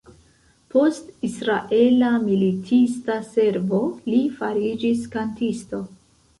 Post Israela militista servo, li fariĝis kantisto.